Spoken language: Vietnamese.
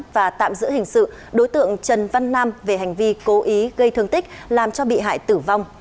và tạm giữ hình sự đối tượng trần văn nam về hành vi cố ý gây thương tích làm cho bị hại tử vong